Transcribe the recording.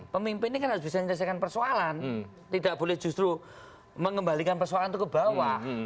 pemimpin ini kan harus bisa menyelesaikan persoalan tidak boleh justru mengembalikan persoalan itu ke bawah